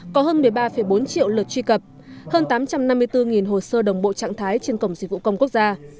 có hơn một mươi ba bốn triệu lượt truy cập hơn tám trăm năm mươi bốn hồ sơ đồng bộ trạng thái trên cổng dịch vụ công quốc gia